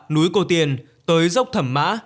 núi cô tiên tới dốc thẩm mã